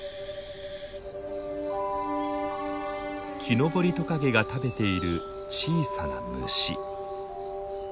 キノボリトカゲが食べている小さな虫。